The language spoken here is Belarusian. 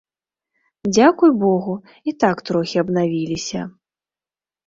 Дзякуй богу, і так трохі абнавіліся.